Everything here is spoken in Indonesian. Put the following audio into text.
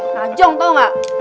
najong tau gak